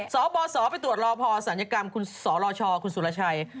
สบสไปตรวจรอพอศัลยกรรมคุณสรชคุณสุรชัย